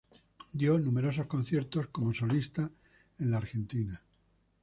Dio numerosos conciertos como solista en la Argentina.